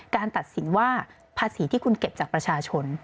ตัดสินว่าภาษีที่คุณเก็บจากประชาชน